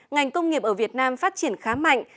ngành công nghiệp ở việt nam phát triển khá mạnh